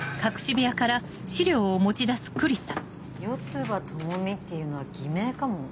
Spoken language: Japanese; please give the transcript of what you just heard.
四葉朋美っていうのは偽名かも。